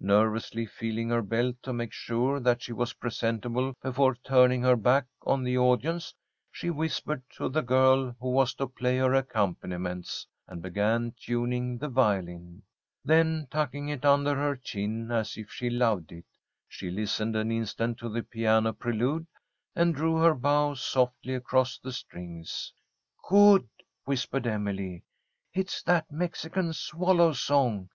Nervously feeling her belt to make sure that she was presentable before turning her back on the audience, she whispered to the girl who was to play her accompaniments, and began tuning the violin. Then, tucking it under her chin as if she loved it, she listened an instant to the piano prelude, and drew her bow softly across the strings. "Good!" whispered Emily. "It's that Mexican swallow song.